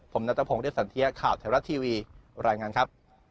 ผมนัตรพงษ์เรศัลเทียข่าวแถวรัฐทีวีบรรยายงานครับ